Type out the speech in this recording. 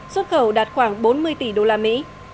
xuất khẩu đạt khoảng bốn mươi tỷ usd